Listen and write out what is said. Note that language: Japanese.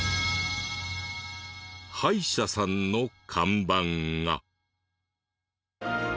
歯医者さんの看板が。